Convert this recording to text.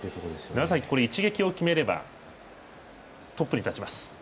楢崎、一撃を決めればトップに立ちます。